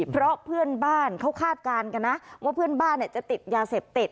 เพราะเพื่อนบ้านเขาคาดการณ์กันนะว่าเพื่อนบ้านจะติดยาเสพติด